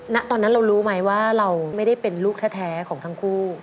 ณตอนนั้นเรารู้ไหมว่าเราไม่ได้เป็นลูกแท้ของทั้งคู่